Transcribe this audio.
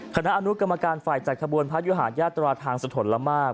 คณะอนุกรรมการฝ่ายจัดขบวนพระยุหาญาตราทางสะทนละมาก